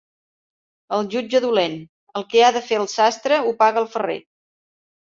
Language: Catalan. El jutge dolent: el que ha fet el sastre ho paga el ferrer.